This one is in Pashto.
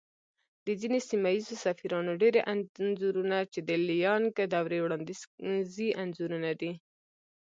د ځينې سيمه ييزو سفيرانو ډېری انځورنه چې د ليانگ دورې وړانديزي انځورونه دي